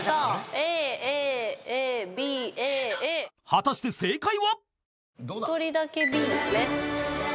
［果たして正解は］